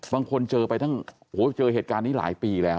บางคนเจอไปตั้งเจอเหตุการณ์นี้หลายปีแล้ว